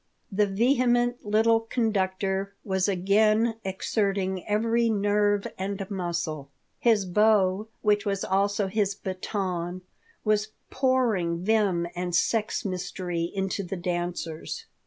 The vehement little conductor was again exerting every nerve and muscle. His bow, which was also his baton, was pouring vim and sex mystery into the dancers.